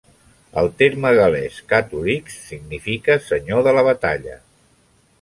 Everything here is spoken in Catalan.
El terme gal·lès "catu-rix" significa "senyor de la batalla".